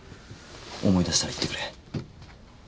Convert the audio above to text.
思い出したら言ってくれ。